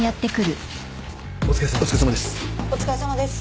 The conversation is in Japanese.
お疲れさまです。